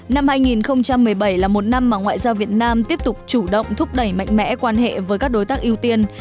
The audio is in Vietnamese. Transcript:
năm hai nghìn một mươi bảy là một năm mà ngoại giao việt nam tiếp tục chủ động thúc đẩy mạnh mẽ quan hệ với các đối tác ưu tiên